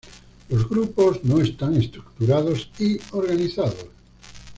Los grupos no están estructurados y organizados.